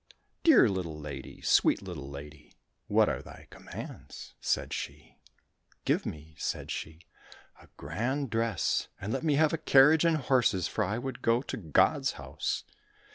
" Dear little lady, sweet little lady, what are thy commands ?" said she. —'' Give me," said she, " a grand dress and let me have a carriage and horses, for I would go to God's House